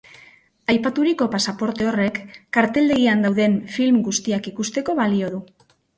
Aipaturiko pasaporte horrek karteldegian dauden film guztiak ikusteko balio du.